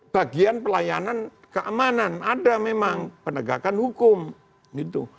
bagian pelayanan keamanan ada memang penegakan hukum gitu